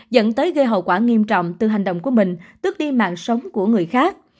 dẫn tới gây hậu quả nghiêm trọng từ hành động của mình tước đi mạng sống của người khác